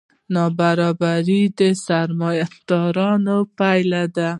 نابرابري د سرمایهدارۍ پایله ده.